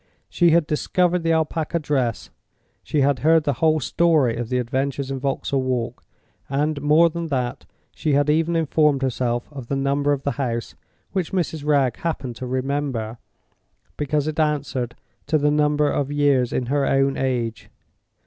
She had discovered the Alpaca dress; she had heard the whole story of the adventure in Vauxhall Walk; and, more than that, she had even informed herself of the number of the house—which Mrs. Wragge happened to remember, because it answered to the number of years in her own age.